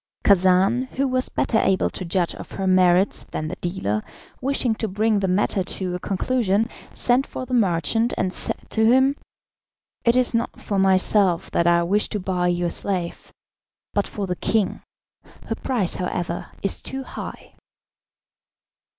Khacan, who was better able to judge of her merits than the dealer, wishing to bring the matter to a conclusion, sent for the merchant, and said to him, "It is not for myself that I wish to buy your slave, but for the king. Her price, however, is too high."